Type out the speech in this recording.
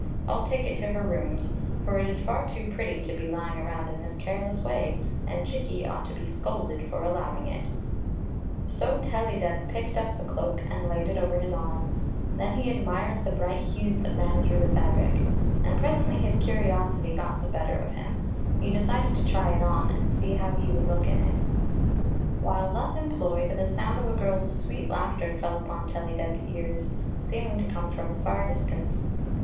I 11 t^e it to her rooms, for it is ht too pretty to be lying around in tliis careless way, and Jikki ought to be scolded for allowing it." So Tellydeb picked up the cloak and laid it over his arm ; then he admired the bright hues that ran through the fabric, and presently his curiosity got the better of him; he deeded to try it on and see how he would look in it 122 Queen Zixi of Ix ; o^, the While thus employed the sound of a girl's sweet laughter fell upon Tellydeb's ears, seeming to come from a far distance.